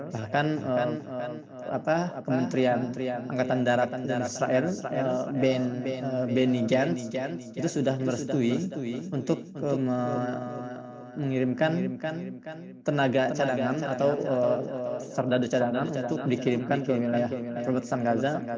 bahkan kementerian angkatan darat dan israel benny jans itu sudah merestui untuk mengirimkan tenaga cadangan atau serda cadangan untuk dikirimkan ke wilayah perbatasan gaza